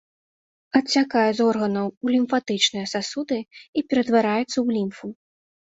Адцякае з органаў у лімфатычныя сасуды і ператвараецца ў лімфу.